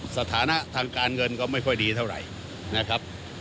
สถานะทางการเงินก็ไม่ค่อยดีเท่าไหร่นะครับ